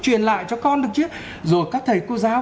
truyền lại cho con được chứ rồi các thầy cô giáo